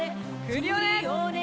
クリオネ！